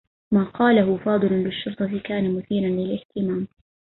ما قاله فاضل للشّرطة كان مثيرا للإهتمام.